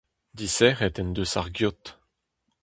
Disec’het en deus ar geot.